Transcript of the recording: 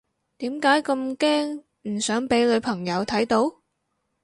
點解咁驚唔想俾女朋友睇到？